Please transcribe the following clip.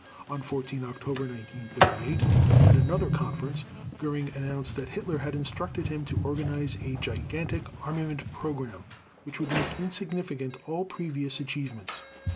On 14 October 1938, at another conference, Göring announced that Hitler had instructed him to organize a gigantic armament program, which would make insignificant all previous achievements.